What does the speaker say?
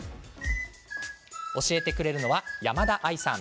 教えてくれるのは、山田あいさん。